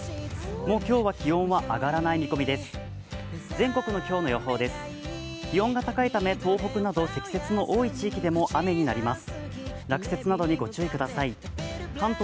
もう今日は気温は上がらない見込みです。